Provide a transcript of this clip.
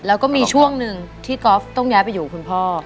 แล้วก็มีช่วงหนึ่งที่กอล์ฟต้องย้ายไปอยู่กับคุณพ่อ